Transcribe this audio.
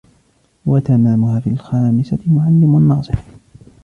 وَتَمَامُهَا فِي الْخَامِسَةِ مُعَلِّمٌ نَاصِحٌ